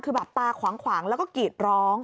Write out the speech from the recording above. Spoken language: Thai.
คือแบบตาขวางแล้วก็กรีดร้อง